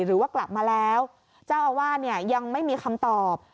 หรือว่ากลับมาแล้วเจ้าอาวาสเนี่ยยังไม่มีคำตอบ